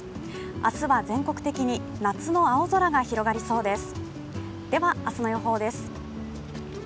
明日は全国的に夏の青空が広がりそうです。